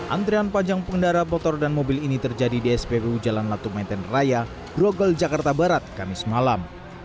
antrean panjang pengendara motor dan mobil ini terjadi di spbu jalan latuk maiten raya grogel jakarta barat kamis malam